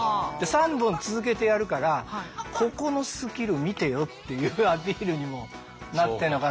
３本続けてやるからここのスキル見てよっていうアピールにもなってるのかな。